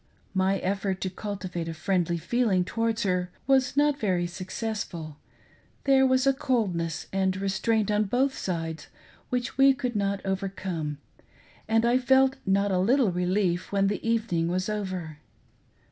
My effort to cultivate a friendly feeling towards her was not very successful. There was a coldness and restraint on both sides which we could not overcome, and I felt not a little relief when the evening was over.